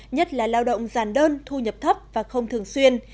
nhất là lao động giàn đơn thu nhập thấp và không thường xuyên